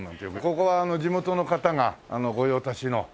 ここは地元の方が御用達の別荘族が。